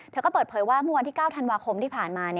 เธอก็เปิดเผยว่าเมื่อวันที่๙ธันวาคมที่ผ่านมา